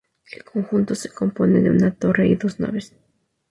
El conjunto se compone de una torre y dos naves.